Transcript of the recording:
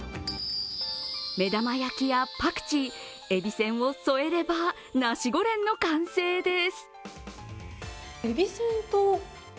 目玉焼きやパクチー、えびせんを添えればナシゴレンの完成です。